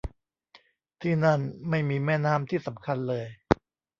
ที่นั่นไม่มีแม่น้ำที่สำคัญเลย